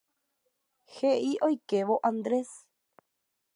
He'i oikévo Andrés.